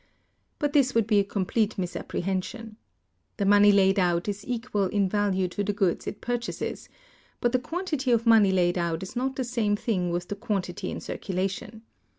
But this would be a complete misapprehension. The money laid out is equal in value to the goods it purchases; but the quantity of money laid out is not the same thing with the quantity in circulation.